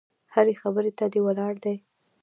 هرې خبرې ته دې ولاړ دي.